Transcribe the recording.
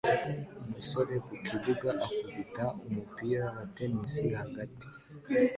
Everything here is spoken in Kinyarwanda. Umusore ku kibuga akubita umupira wa tennis hagati